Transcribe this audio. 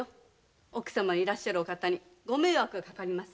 奥様のいらっしゃる方にご迷惑がかかります。